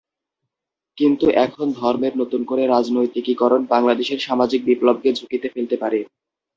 কিন্তু এখন ধর্মের নতুন করে রাজনৈতিকীকরণ বাংলাদেশের সামাজিক বিপ্লবকে ঝুঁকিতে ফেলতে পারে।